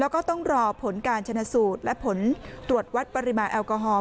แล้วก็ต้องรอผลการชนะสูตรและผลตรวจวัดปริมาณแอลกอฮอล